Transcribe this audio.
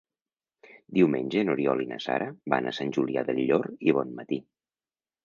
Diumenge n'Oriol i na Sara van a Sant Julià del Llor i Bonmatí.